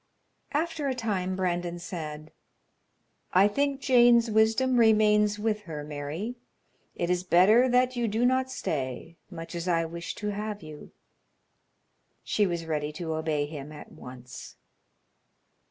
After a time Brandon said: "I think Jane's wisdom remains with her, Mary. It is better that you do not stay, much as I wish to have you." She was ready to obey him at once.